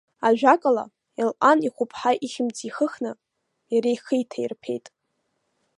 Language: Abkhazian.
Ажәакала, Елҟан ихәыԥҳа ихьымӡӷ ихыхны, иара ихы иҭаирԥеит.